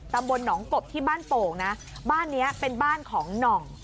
ตำบลหนองกบที่บ้านโป่งนะบ้านนี้เป็นบ้านของหน่อง